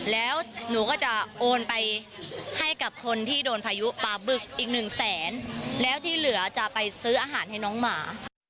แล้วหนูก็จะโอนไปให้กับคนที่โดนพายุปลาบึกอีกหนึ่งแสนแล้วที่เหลือจะไปซื้ออาหารให้น้องหมา